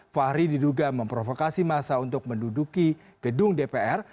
fahri diduga memprovokasi masa untuk menduduki gedung dpr